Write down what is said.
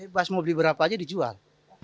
pas mau beli berapa aja dijual